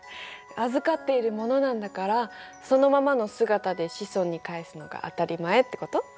預かっている物なんだからそのままの姿で子孫に返すのが当たり前ってこと？